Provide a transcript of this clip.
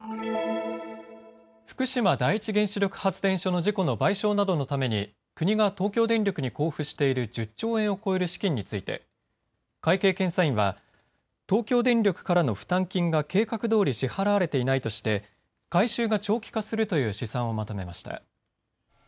福島第一原子力発電所の事故の賠償などのために国が東京電力に交付している１０兆円を超える資金について会計検査院は東京電力からの負担金が計画どおり支払われていないとして回収が長期化するという試算をまとめました。